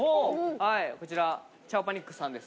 はいこちらチャオパニックさんですね。